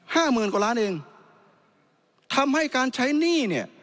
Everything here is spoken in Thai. หมื่นกว่าล้านเองทำให้การใช้หนี้เนี่ย